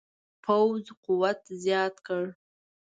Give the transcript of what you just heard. پوځ قوت زیات کړ.